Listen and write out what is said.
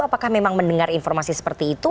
apakah memang mendengar informasi seperti itu